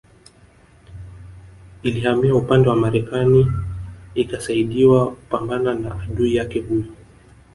Ilihamia upande wa Marekani ikasaidiwa kupambana na adui yake huyo